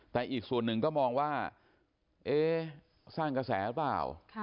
แต่อีกส่วนหนึ่งก็มองว่าเอ๊สร้างกระแสหรือเปล่า